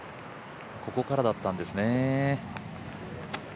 ここからだったんですね。